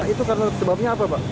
itu karena sebabnya apa pak